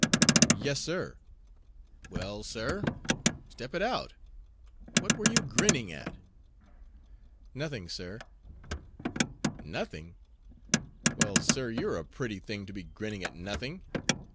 "Yes, sir." "Well, sir, step it out. What were you grinning at?" "Nothing, sir." "Nothing! Well, sir, you're a pretty thing to be grinning at nothing.